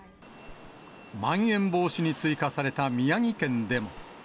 まん延防止に追加された宮城県でも。